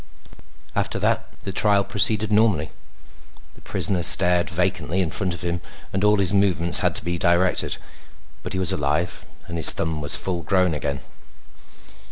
After that the trial proceeded normally. The prisoner stared vacantly in front of him and all his movements had to be directed. But he was alive and his thumb was full grown again.